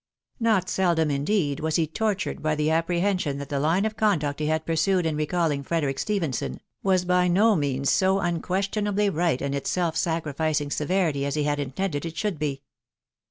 Not seldom, indeed, was he tortured by the apprehension that the line of conduct he had pursued, in recalling Frederick Stephenson, was by no means so unquestionably right in its self sacrificing severity as he had intended it should be.